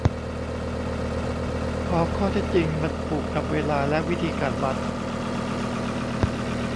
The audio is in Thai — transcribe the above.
พอข้อเท็จจริงมันผูกกับเวลาและวิธีการวัด